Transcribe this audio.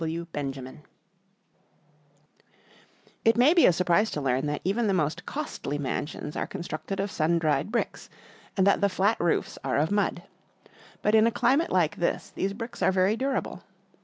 G. W. BENJAMIN It may be a surprise to learn that even the most costly mansions are constructed of sun dried bricks, and that the flat roofs are of mud. But in a climate like this, these bricks are very durable.